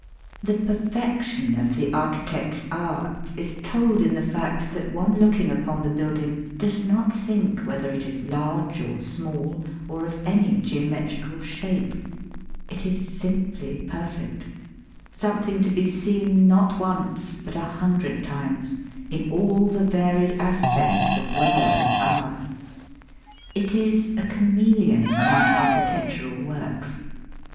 The perfection of the architect's art is told in the fact that Digitized by VjOOQIC "the wonder of INDIA." 291 one looking upon the building does not think whether it is large or small or of any geo metrical shape. It is simply perfect, some thing to be seen not once but a hundred times in all the varied aspects of weather and hour. It is a chameleon among archi tectural works.